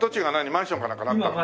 マンションかなんかなったの？